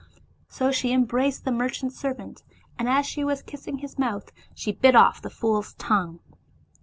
So she embraced the mer chant's servant, and as she was kissing his mouth, she bit off the fool's tongue.